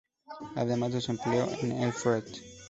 Además de su empleo en el Fred.